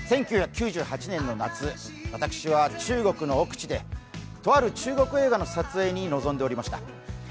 １９９８年の夏、私は中国の奥地で、とある中国映画の撮影に臨んでいました。